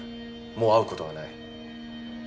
もう会うことはない。